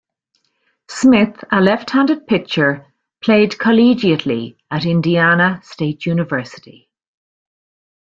Smith, a left-handed pitcher, played collegiately at Indiana State University.